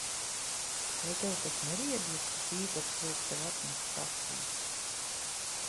Vai tev tas neriebjas, ka Pīters liek tev atnest kafiju?